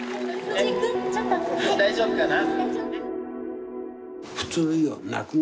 大丈夫かな。